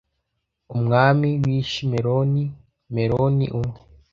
umwami w'i shimeroni meroni, umwe